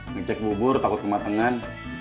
ngecek bubur takut kematangan